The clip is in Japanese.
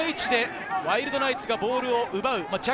この位置でワイルドナイツがボールを奪う。